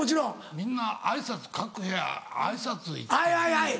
みんな挨拶各部屋挨拶行ってる。